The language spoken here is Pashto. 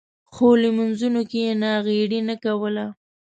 خو لمونځونو کې یې ناغېړي نه کوله.